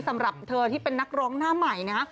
สำหรับเธอที่เป็นนักร้องหน้าใหม่นะ